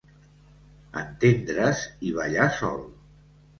Entendre's i ballar sol.